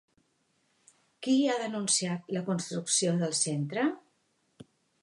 Qui ha denunciat la construcció del centre?